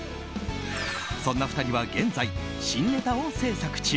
そんな２人は現在新ネタを制作中。